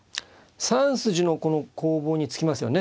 ３筋のこの攻防に尽きますよね。